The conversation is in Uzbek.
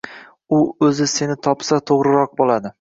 u o‘zi seni topsa to‘g‘riroq bo‘ladi.